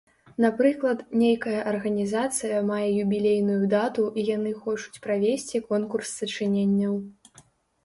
Напрыклад, нейкая арганізацыя мае юбілейную дату і яны хочуць правесці конкурс сачыненняў.